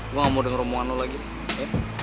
gue gak mau denger omongan lo lagi nek